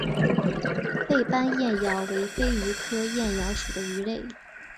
背斑燕鳐为飞鱼科燕鳐属的鱼类。